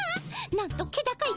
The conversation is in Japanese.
なんと気高い